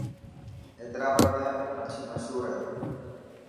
حيدرآباد ۾ مڇي مشهور هي.